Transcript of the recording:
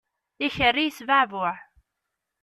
Ikerri yesbeɛbuɛ.